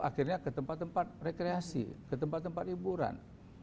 akhirnya ke tempat tempat rekreasi ke tempat tempat hiburan